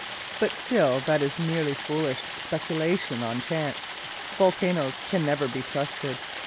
But still that is merely foolish speculation on chance. Volcanos can never be trusted.